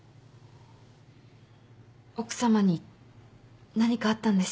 奥さまに何かあったんですよね？